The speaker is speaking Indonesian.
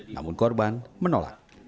namun korban menolak